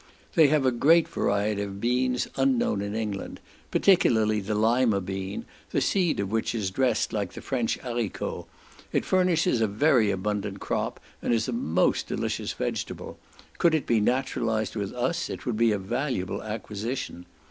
They have a great variety of beans unknown in England, particularly the lima bean, the seed of which is dressed like the French harico; it furnishes a very abundant crop, and is a most delicious vegetable: could it be naturalised with us it would be a valuable acquisition.